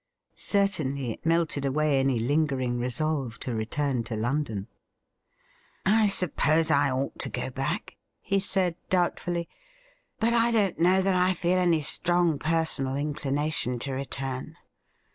Certainly it melted away any lingering resolve to return to London. ' I suppose I ought to go back,' he said doubtfully. ' But I don't know that I feel any strong personal inclina tion to return.